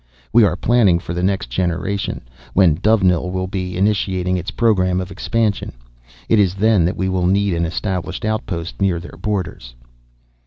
We are planning for the next generation, when Dovenil will be initiating its program of expansion. It is then that we will need an established outpost near their borders."